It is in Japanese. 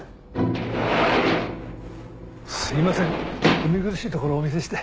お見苦しいところをお見せして。